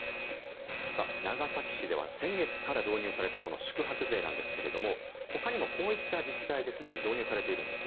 長崎市では先月から導入されたこの宿泊税ですがほかにもこういった自治体ですでに導入されているんです。